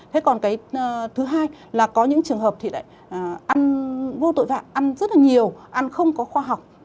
thế còn cái thứ hai là có những trường hợp thì lại ăn vô tội phạm ăn rất là nhiều ăn không có khoa học